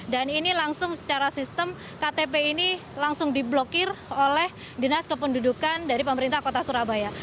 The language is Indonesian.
dan ini langsung secara sistem ktp ini langsung diblokir oleh dinas kependudukan dari pemerintah kota surabaya